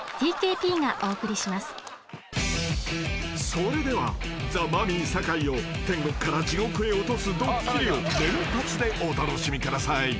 ［それではザ・マミィ酒井を天国から地獄へ落とすドッキリを連発でお楽しみください］